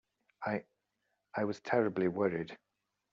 I—I was terribly worried.